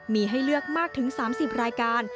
มีให้เลือกมากถึง๓๐รายการ